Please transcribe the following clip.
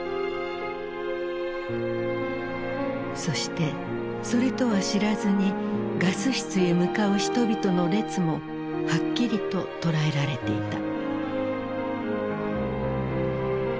そしてそれとは知らずにガス室へ向かう人々の列もはっきりと捉えられていた。